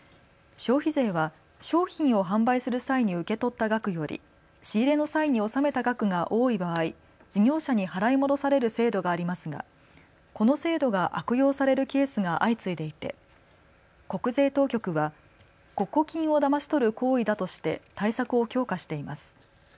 消費税は商品を販売する際に受け取った額より仕入れの際に納めた額が多い場合、事業者に払い戻される制度がありますがこの制度が悪用されるケースが相次いでいて国税当局は国庫金をだまし取る行為だとして対策を強化しています。